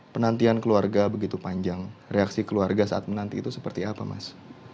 penantian keluarga begitu panjang reaksi keluarga saat menanti itu seperti apa mas